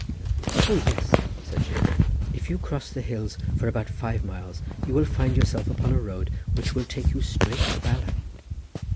"O yes," said she, "if you cross the hills for about five miles you will find yourself upon a road which will take you straight to Bala."